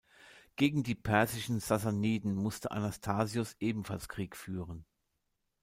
Gegen die persischen Sassaniden musste Anastasios ebenfalls Krieg führen.